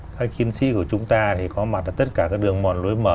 các chiến sĩ của chúng ta thì có mặt ở tất cả các đường mòn lối mở